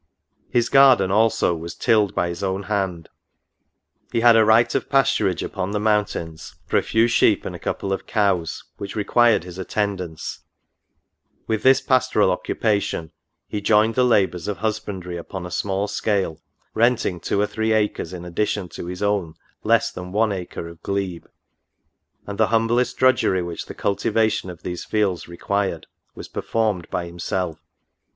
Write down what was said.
His garden also was tilled by his own hand ; he had a right of pasturage upon the mountains for a few sheep and a couple of cows, which required his attendance; with this pastoral occupation, he joined the labours of hus bandry upon a small scale, renting two or three acres in addition to his own less than one acre of glebe ; and the humblest drudgery which the cultivation of these fields required was performed by himself.